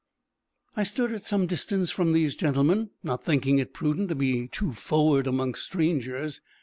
I stood at some distance from these gentlemen, not thinking it prudent to be too forward amongst strangers.